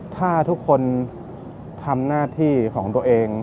ถ้าทุกคนทำหน้าที่ของตัวเอง